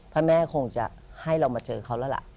ก็คงจะให้เรามาเจอเขาแล้วล่ะ